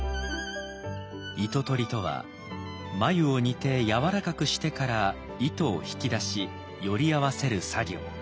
糸とりとは繭を煮てやわらかくしてから糸を引き出し撚り合わせる作業。